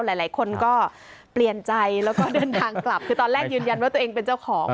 หลายคนก็เปลี่ยนใจแล้วก็เดินทางกลับคือตอนแรกยืนยันว่าตัวเองเป็นเจ้าของ